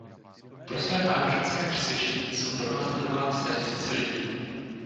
Pro své náboženské přesvědčení jsou pronásledovány statisíce lidí.